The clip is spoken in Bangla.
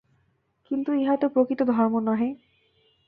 কিন্তু ইহা তো প্রকৃত ধর্ম নহে।